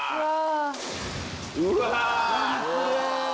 うわ！